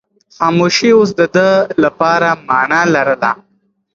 خاموشي اوس د ده لپاره مانا لرله.